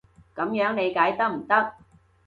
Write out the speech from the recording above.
噉樣理解得唔得？